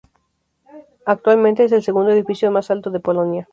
Actualmente es el segundo edificio más alto de Polonia.